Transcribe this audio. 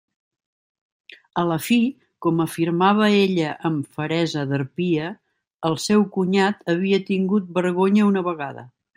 A la fi, com afirmava ella amb feresa d'harpia, el seu cunyat havia tingut vergonya una vegada.